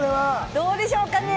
どうでしょうかね？